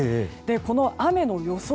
この雨の予想